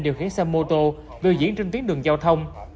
điều khiển xe mô tô đều diễn trên tuyến đường giao thông